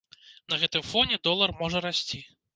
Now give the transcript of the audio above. На гэтым фоне долар можа расці.